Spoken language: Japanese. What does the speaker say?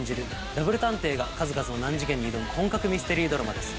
ダブル探偵が数々の難事件に挑む本格ミステリードラマです。